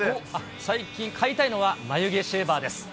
最近買いたいのは眉毛シェーバーです。